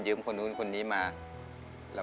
คุณหมอบอกว่าเอาไปพักฟื้นที่บ้านได้แล้ว